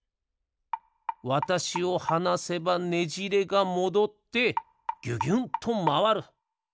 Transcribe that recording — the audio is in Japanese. わたしをはなせばねじれがもどってぎゅぎゅんとまわる。